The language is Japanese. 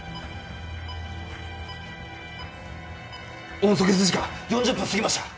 温阻血時間４０分過ぎました。